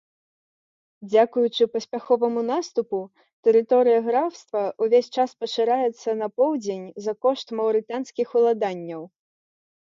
Дзякуючы паспяховаму наступу, тэрыторыя графства ўвесь час пашыраецца на поўдзень за кошт маўрытанскіх уладанняў.